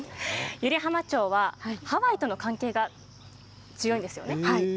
湯梨浜町はハワイとの関係が強いんですよね。